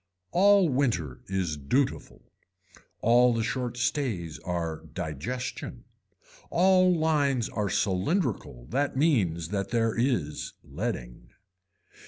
All winter is dutiful. All the short stays are digestion. All lines are cylindrical that means that there is leading.